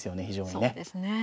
非常にね。